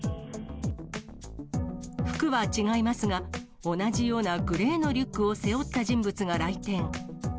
服は違いますが、同じようなグレーのリュックを背負った人物が来店。